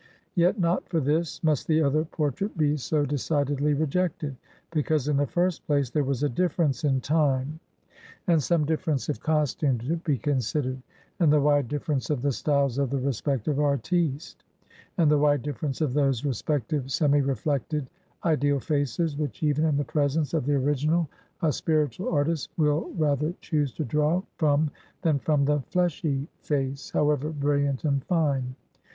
Yet not for this, must the other portrait be so decidedly rejected. Because, in the first place, there was a difference in time, and some difference of costume to be considered, and the wide difference of the styles of the respective artiste, and the wide difference of those respective, semi reflected, ideal faces, which, even in the presence of the original, a spiritual artist will rather choose to draw from than from the fleshy face, however brilliant and fine.